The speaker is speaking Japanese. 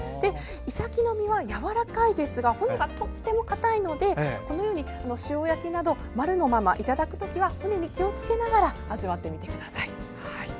イサキの身はやわらかいですが骨がとってもかたいのでこのように塩焼きなど丸のままいただくときは骨に気をつけながら味わってみてください。